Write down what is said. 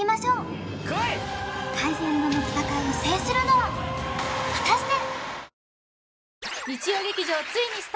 海鮮丼の戦いを制するのは果たして？